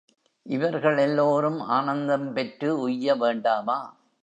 இவர்கள் எல்லோரும் ஆனந்தம் பெற்று உய்ய வேண்டாமா?